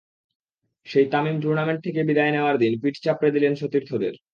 সেই তামিম টুর্নামেন্ট থেকে বিদায় নেওয়ার দিন পিঠ চাপড়ে দিলেন সতীর্থদের।